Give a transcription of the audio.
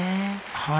はい。